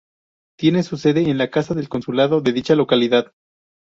Tiene su sede en la Casa del Consulado de dicha localidad.